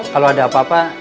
kalau ada apa apa